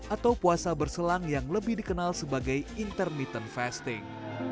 atau puasa berselang yang lebih dikenal sebagai intermittent fasting